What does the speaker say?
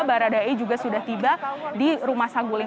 baradae juga sudah tiba di rumah saguling